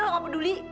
aku nggak peduli